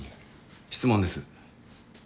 質問です。